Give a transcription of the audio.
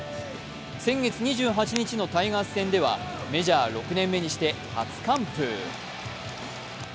先月２８日のタイガース戦ではメジャー６年目にして初完封。